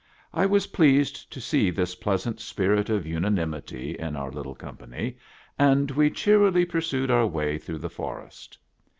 I was pleased to see this pleasant spirit of unanimity in our little company, and we cheerily pursued our way through the forest.